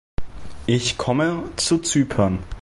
Ich komme zu Zypern.